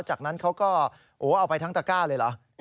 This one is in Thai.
จากนั้นเขาก็เอาไปทั้งตะก้าเลยเหรอ